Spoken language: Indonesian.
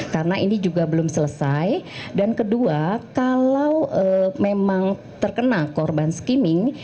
karena ini juga belum selesai dan kedua kalau memang terkena korban skimming